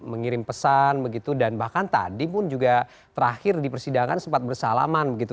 mengirim pesan begitu dan bahkan tadi pun juga terakhir di persidangan sempat bersalaman begitu